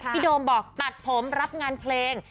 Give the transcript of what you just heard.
โดมบอกตัดผมรับงานเพลง